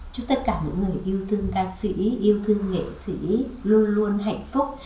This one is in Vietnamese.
chúc tất cả những người yêu thương ca sĩ yêu thương nghệ sĩ luôn luôn hạnh phúc